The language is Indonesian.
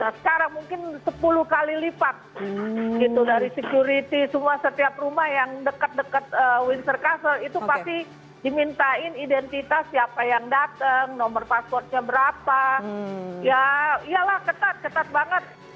nah sekarang mungkin sepuluh kali lipat gitu dari security semua setiap rumah yang dekat dekat windsor castle itu pasti dimintain identitas siapa yang datang nomor passwordnya berapa ya yalah ketat ketat banget